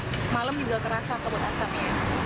tapi kok ini malam juga terasa kabut asapnya